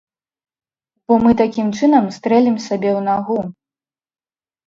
Бо мы такім чынам стрэлім сабе ў нагу.